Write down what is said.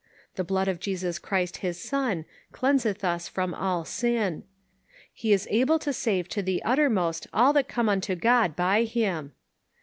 "The blood of Jesus Christ his Son cleanseth us from all sin." " He is able to save to the uttermost all that come unto God by him."